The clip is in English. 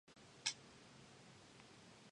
There they permanently settled.